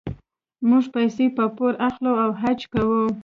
موږ پیسې په پور اخلو او حج کوو.